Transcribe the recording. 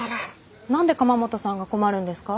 何で鎌本さんが困るんですか？